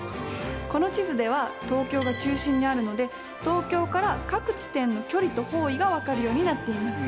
この地図では東京が中心にあるので東京から各地点の距離と方位が分かるようになっています。